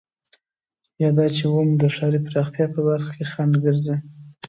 يا دا چې ونې د ښاري پراختيا په لاره کې خنډ ګرځي.